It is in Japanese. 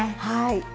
はい！